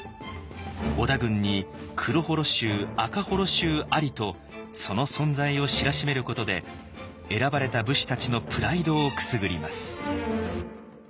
織田軍に黒母衣衆赤母衣衆ありとその存在を知らしめることで選ばれた武士たちのプライドをくすぐります。